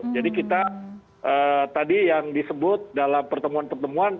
jadi kita tadi yang disebut dalam pertemuan pertemuan